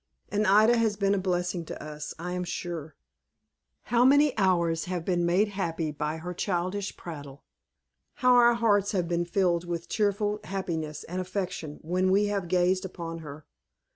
And Ida has been a blessing to us, I am sure. How many hours have been made happy by her childish prattle! how our hearts have been filled with cheerful happiness and affection when we have gazed upon her!